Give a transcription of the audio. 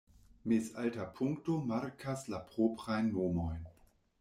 Mezalta punkto markas la proprajn nomojn.